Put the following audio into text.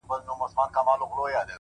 دغه نجلۍ نن له هيندارې څخه زړه راباسي’